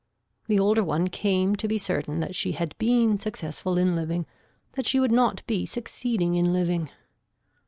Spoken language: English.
The older one came to be certain that she had been successful in living, that she would not be succeeding in living.